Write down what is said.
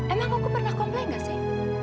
emang aku pernah komplain gak sih